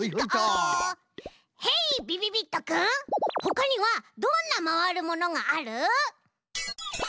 へいびびびっとくんほかにはどんなまわるものがある？